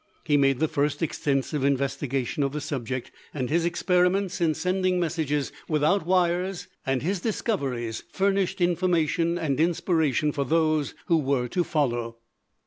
He made the first extensive investigation of the subject, and his experiments in sending messages without wires and his discoveries furnished information and inspiration for those who were to follow.